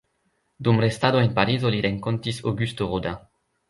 Dum restado en Parizo li renkontis Auguste Rodin.